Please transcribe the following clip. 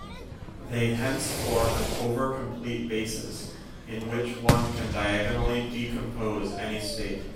They hence form an overcomplete basis, in which one can diagonally decompose any state.